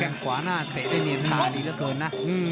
ขวาหน้าเตะได้เนียนตาดีเหลือเกินนะ